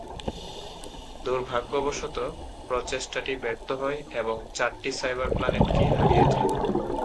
দুর্ভাগ্যবশত, প্রচেষ্টাটি ব্যর্থ হয় এবং চারটি সাইবার প্ল্যানেট কী হারিয়ে যায়।